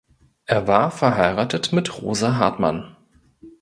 Er war verheiratet mit Rosa Hartmann.